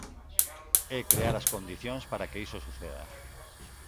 É crear as condicións para que iso suceda.